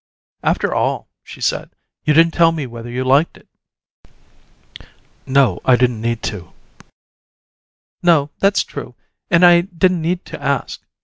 "After all," she said, "you didn't tell me whether you liked it." "No. I didn't need to." "No, that's true, and I didn't need to ask.